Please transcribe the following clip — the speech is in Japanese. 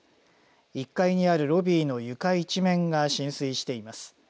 １階のあるロビーの床一面が浸水しています。